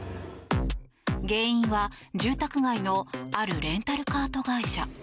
原因は、住宅街のあるレンタルカート会社。